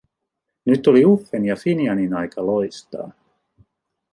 Nyt oli Uffen ja Finianin aika loistaa.